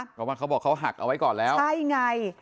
เพราะว่าเขาบอกเขาหักเอาไว้ก่อนแล้วใช่ไง